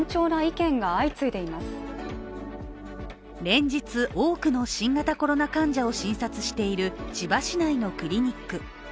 連日、多くの新型コロナ患者を診察している千葉市内のクリニック。